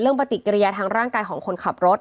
ปฏิกิริยาทางร่างกายของคนขับรถ